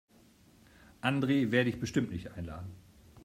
Andre werde ich bestimmt nicht einladen.